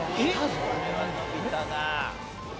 これは伸びたな。